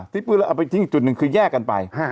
ที่เปื้อเลือดเอาไปทิ้งอีกจุดหนึ่งคือแยกกันไป